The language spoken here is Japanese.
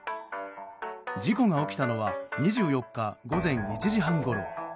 事故が起きたのは２４日午前１時半ごろ。